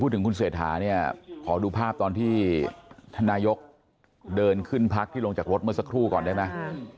ถึงคุณเศรษฐาเนี่ยขอดูภาพตอนที่ท่านนายกเดินขึ้นพักที่ลงจากรถเมื่อสักครู่ก่อนได้ไหม